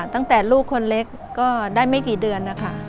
ตั้งแต่ลูกคนเล็กก็ได้ไม่กี่เดือนนะคะ